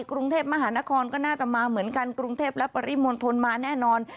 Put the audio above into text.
กรุงเทพมหานครก็น่าจะมาเหมือนกันกรุงเทพและปริมณฑลมาแน่นอน